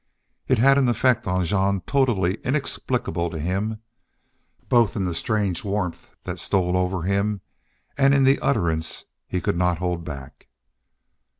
It had an effect on Jean totally inexplicable to him, both in the strange warmth that stole over him and in the utterance he could not hold back.